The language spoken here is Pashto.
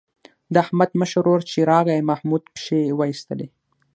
د احمد مشر ورور چې راغی محمود پښې وایستلې.